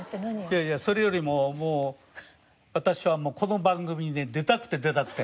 いやいやそれよりももう私はもうこの番組に出たくて出たくて。